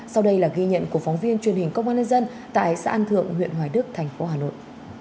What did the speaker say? sau đây là ghi nhận của phóng viên truyền hình công an nhân dân tại xã an thượng huyện hoài đức thành phố hà nội